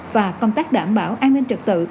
và công tác đảm bảo an ninh trực tự